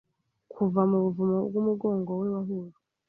Kuva mu buvumo bwumugongo we wahujwe